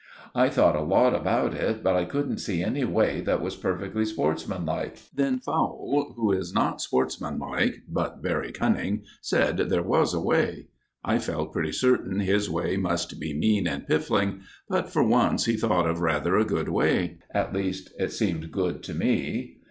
I thought a lot about it, but I couldn't see any way that was perfectly sportsmanlike. Then Fowle, who is not sportsmanlike but very cunning, said there was a way. I felt pretty certain his way must be mean and piffling; but for once he thought of rather a good way. At least, it seemed good to me.